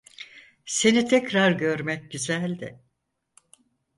Seni tekrar görmek güzeldi.